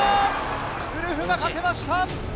ウルフがかけました。